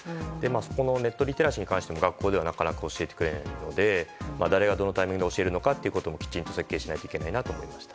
そのネットリテラシーに関しても学校ではなかなか教えてくれないので誰がどのタイミングで教えるのかもきちんと教えないといけないなと思いました。